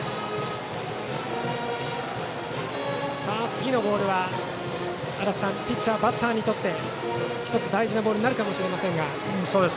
次のボールはピッチャー、バッターにとって１つ大事なボールかもしれません。